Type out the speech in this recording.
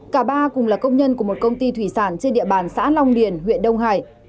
cả ba cùng là công nhân của một công ty thủy sản trên địa bàn xã long điền huyện đông hải